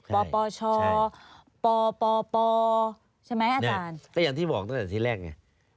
ปปชปปใช่ไหมอาจารย์ก็อย่างที่บอกตั้งแต่ที่แรกไง